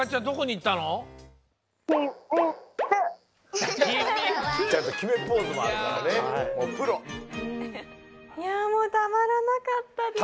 いやもうたまらなかったです。